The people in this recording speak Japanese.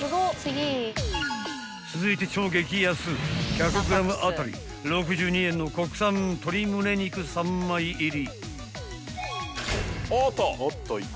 ［続いて超激安１００ｇ当たり６２円の国産鶏ムネ肉３枚入り］